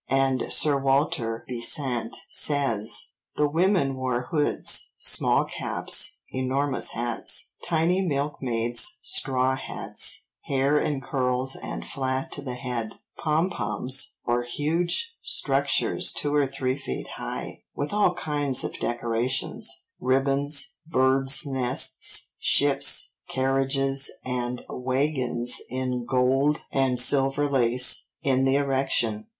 And Sir Walter Besant says: "The women wore hoods, small caps, enormous hats, tiny milkmaid's straw hats; hair in curls and flat to the head; 'pompoms,' or huge structures two or three feet high, with all kinds of decorations—ribbons, birds' nests, ships, carriages and waggons in gold and silver lace—in the erection."